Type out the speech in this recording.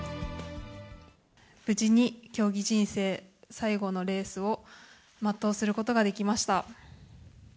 無事に競技人生最後のレースを全うすることができました。